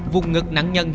vùng ngực nạn nhân